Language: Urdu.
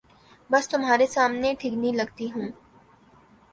بس تمہارے سامنے ٹھگنی لگتی ہوں۔